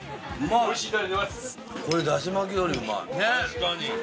確かに。